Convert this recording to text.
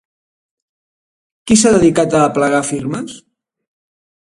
Qui s'ha dedicat a aplegar firmes?